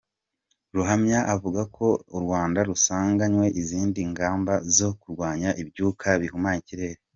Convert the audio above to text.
Ruhamya avuga ko u Rwanda rusanganywe izindi ngamba zo kurwanya ibyuka bihumanya ikirere.